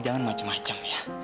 jangan macem macem ya